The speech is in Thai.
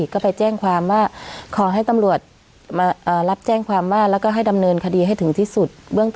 ก็ไปแจ้งความว่าขอให้ตำรวจมารับแจ้งความว่าแล้วก็ให้ดำเนินคดีให้ถึงที่สุดเบื้องต้น